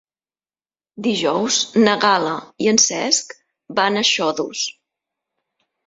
Dijous na Gal·la i en Cesc van a Xodos.